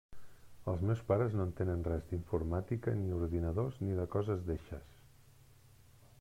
Els meus pares no entenen res d'informàtica ni ordinadors ni de coses d'eixes.